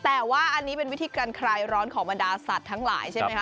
แต่ว่าอันนี้เป็นวิธีการคลายร้อนของบรรดาสัตว์ทั้งหลายใช่ไหมคะ